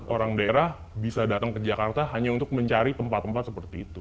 orang daerah bisa datang ke jakarta hanya untuk mencari tempat tempat seperti itu